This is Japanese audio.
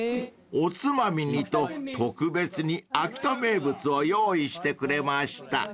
［おつまみにと特別に秋田名物を用意してくれました］